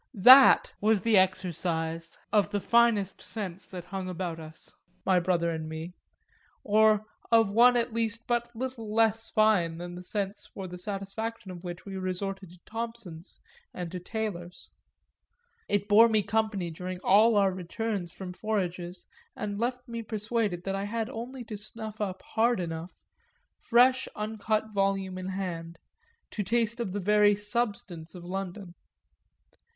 That was the exercise of the finest sense that hung about us, my brother and me or of one at least but little less fine than the sense for the satisfaction of which we resorted to Thompson's and to Taylor's: it bore me company during all our returns from forages and left me persuaded that I had only to snuff up hard enough, fresh uncut volume in hand, to taste of the very substance of London.